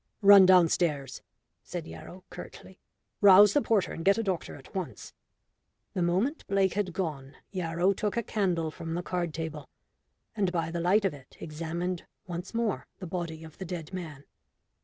"Run downstairs," said Yarrow, curtly. "Rouse the porter and get a doctor at once." The moment Blake had gone, Yarrow took a candle from the card table, and by the light of it examined once more the body of the dead man.